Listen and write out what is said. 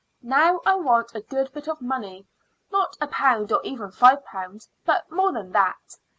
Now I want a good bit of money; not a pound or even five pounds, but more than that.